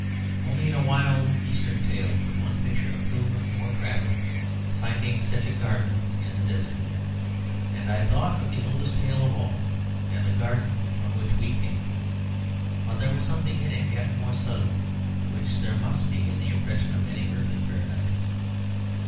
Only in a wild Eastern tale could one picture a pilgrim or traveller finding such a garden in the desert; and I thought of the oldest tale of all and the garden from which we came. But there was something in it yet more subtle; which there must be in the impression of any earthly paradise.